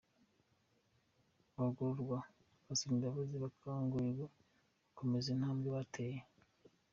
Abagororwa basabye imbabazi bakanguriwe gukomeza intambwe bateye.